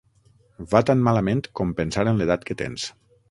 Va tan malament com pensar en l'edat que tens.